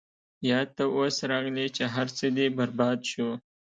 يا تۀ اوس راغلې چې هر څۀ دې برباد شو -